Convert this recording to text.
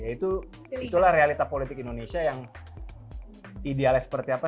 itulah realita politik indonesia yang idealnya seperti apa